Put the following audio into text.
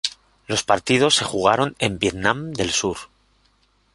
Los partidos se jugaron en Vietnam del Sur.